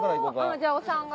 じゃあおっさんが。